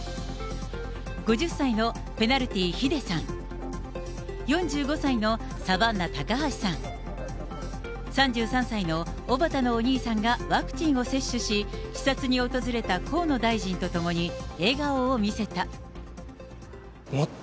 ５０歳のペナルティ・ヒデさん、４５歳のサバンナ・高橋さん、３３歳のおばたのお兄さんがワクチンを接種し、視察に訪れた河野大臣と共に、笑顔を見せた。